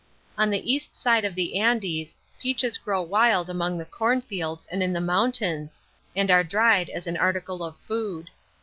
On the east side of the Andes, peaches grow wild among the cornfields and in the mountains, and are dried as an article of food.